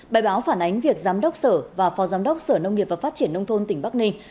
bài báo phản ánh việc giám đốc sở và phó giám đốc sở nông nghiệp và phát triển nông thôn tỉnh bắc ninh